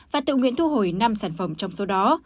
và tự nguyện thu hồi năm sản phẩm trong số đó